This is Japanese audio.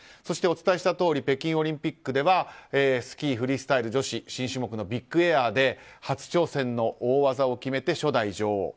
そしてお伝えしたとおり北京オリンピックではスキーフリースタイル女子新種目のビッグエアで初挑戦の大技を決めて初代女王。